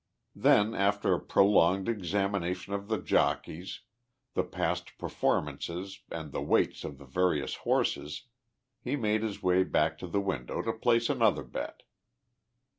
Then, after a prolonged examination of the jockeys, the past performances and the weights of the various horses, he made his way back to the window to place another bet.